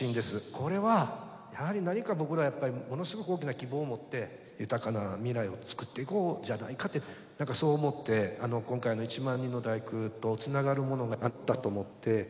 これはやはり何か僕らやっぱりもの凄く大きな希望を持って豊かな未来を作っていこうじゃないかってなんかそう思って今回の「１万人の第九」とつながるものがあったと思って。